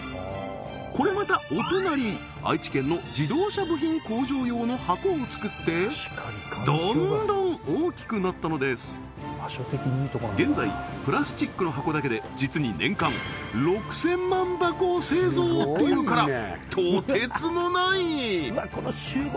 これまたお隣愛知県の自動車部品工場用の箱を作ってどんどん大きくなったのです現在プラスチックの箱だけで実にっていうからとてつもない！